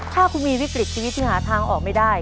ถ้าคุณมีวิกฤตชีวิตที่หาทางออกไม่ได้